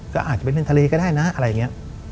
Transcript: ก็อาจจะไปเล่นทะเลก็ได้นะอะไรอย่างนี้